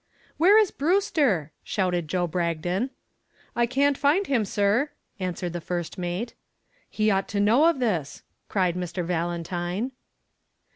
"Where is Brewster?" shouted Joe Bragdon. "I can't find him, sir," answered the first mate. "He ought to know of this," cried Mr. Valentine.